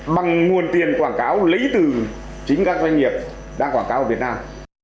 bằng nguồn tiền quảng cáo lấy từ chính các doanh nghiệp đang quảng cáo ở việt nam